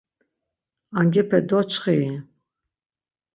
Angepe doçxi-i?